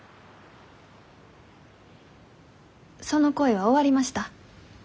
その恋は終わりました。